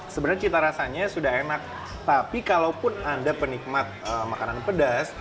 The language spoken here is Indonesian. sebenarnya cita rasanya sudah enak tapi kalaupun anda penikmat makanan pedas